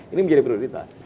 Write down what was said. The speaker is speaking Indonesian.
ini menjadi prioritas